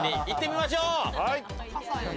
行ってみましょう。